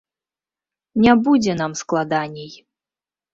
Не будзе нам складаней.